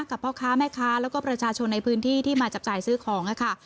พ่อค้าแม่ค้าแล้วก็ประชาชนในพื้นที่ที่มาจับจ่ายซื้อของค่ะ